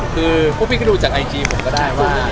คือพวกพี่ก็ดูจากไอจีผมก็ได้ว่า